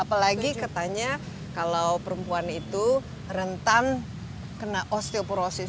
apalagi katanya kalau perempuan itu rentan kena osteoporosis